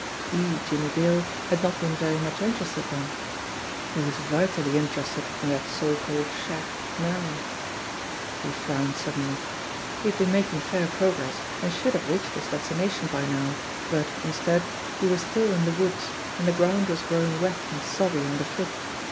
He, Jimmie Dale, had not been very much interested then ; he was vitally interested in that so called shack now ! He frowned suddenly. He had been making fair prog ress, and should have reached his destination by now ; but, instead, he was still in the woods and the ground was growing wet and soggy underfoot.